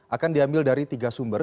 akan diambil dari tiga sumber